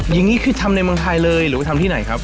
อย่างนี้คือทำในเมืองไทยเลยหรือว่าทำที่ไหนครับ